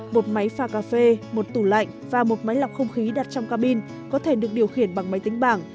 một máy pha cà phê một tủ lạnh và một máy lọc không khí đặt trong cabin có thể được điều khiển bằng máy tính bảng